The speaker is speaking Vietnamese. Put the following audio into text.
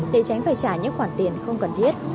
để tránh phải trả những khoản tiền không cần thiết